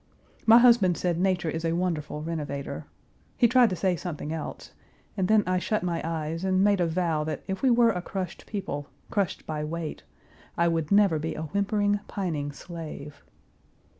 My husband said Nature is a wonderful renovator. He tried to say something else and then I shut my eyes and made a vow that if we were a crushed people, crushed by weight, I would never be a whimpering, pining slave.